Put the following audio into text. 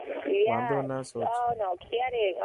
واندو نه سوچ.